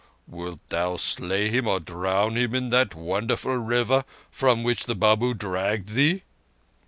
Wilt thou slay him or drown him in that wonderful river from which the Babu dragged thee?"